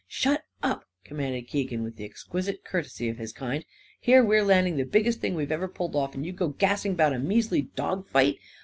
He " "Shut up!" commanded Keegan, with the exquisite courtesy of his kind. "Here we're landing the biggest thing we've ever pulled off, and you go gassing 'bout a measly dog fight!